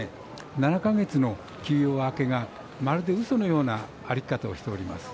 ７か月の休養明けがまるで、うそのような歩き方をしております。